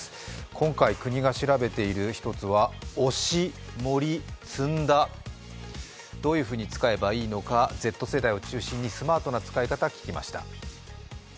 今回、国が調べている１つは推し、盛り、詰んだ、どういうふうに使えばいいのか、Ｚ世代を中心にスマートな使い方を聞きました。